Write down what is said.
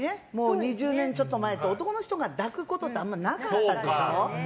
当時２０年ぐらい前って男の人が抱くことってあんまりなかったでしょ。